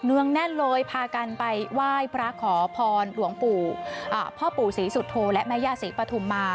งแน่นเลยพากันไปไหว้พระขอพรหลวงปู่พ่อปู่ศรีสุโธและแม่ย่าศรีปฐุมมา